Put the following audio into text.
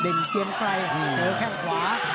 เด่นเตรียมไกลเผลอแค่ขวา